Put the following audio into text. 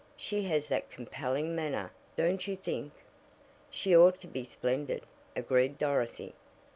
She has that compelling manner, don't you think?" "She ought to be splendid," agreed Dorothy.